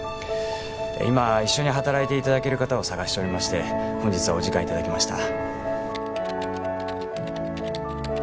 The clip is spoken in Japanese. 今一緒に働いていただける方を探しておりまして本日はお時間いただきました